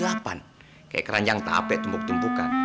kayak keranjang tape tumpuk tumpukan